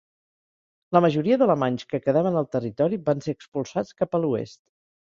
La majoria d'alemanys que quedaven al territori van ser expulsats cap a l'oest.